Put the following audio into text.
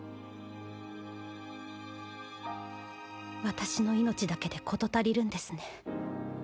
私の命だけで事足りるんですね？